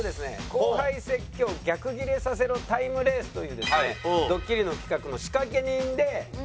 後輩説教逆ギレさせろタイムレースというですねドッキリの企画の仕掛け人で来ております。